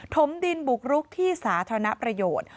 ถมดินบุกรุกที่สาธารณประโยชน์